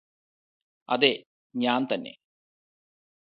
അതെ ഞാന് തന്നെ